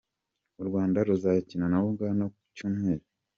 U Rwanda ruzakina na Uganda ku Cyumweru.